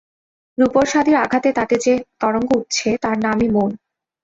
রূপরসাদির আঘাতে তাতে যে তরঙ্গ উঠছে, তার নামই মন।